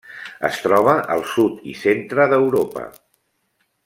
Es troba al sud i centre d'Europa.